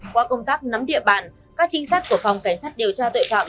qua công tác nắm địa bàn các trinh sát của phòng cảnh sát điều tra tội phạm